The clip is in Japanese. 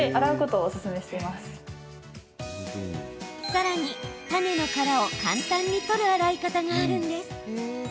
さらに、種の殻を簡単に取る洗い方があるんです。